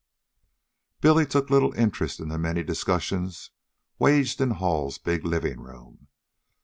Billy took little interest in the many discussions waged in Hall's big living room.